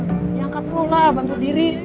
yang angkat lo lah bantu diri